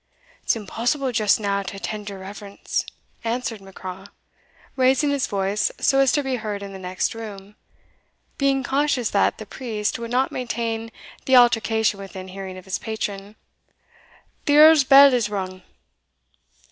"It's impossible just now to attend your reverence," answered Macraw, raising his voice so as to be heard in the next room, being conscious that the priest would not maintain the altercation within hearing of his patron, "the Earl's bell has rung."